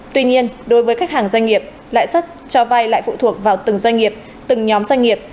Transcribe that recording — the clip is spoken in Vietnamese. tuy nhiên đối với khách hàng doanh nghiệp lãi suất cho vay lại phụ thuộc vào từng doanh nghiệp từng nhóm doanh nghiệp